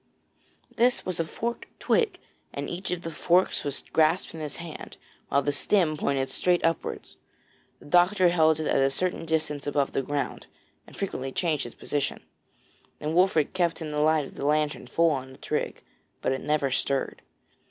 This was a forked twig, and each of the forks was grasped in his hand, while the stem pointed straight upwards. The doctor held it at a certain distance above the ground, and frequently changed his position, and Wolfert kept the light of the lantern full on the twig, but it never stirred.